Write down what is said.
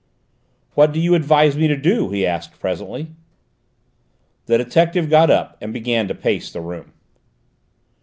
"What do you advise me to do?" he asked presently. The detective got up and began to pace the room.